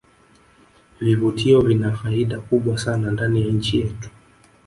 vivutio vina faida kubwa sana ndani ya nchi yetu